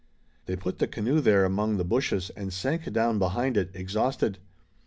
They put the canoe there among the bushes and sank down behind it, exhausted.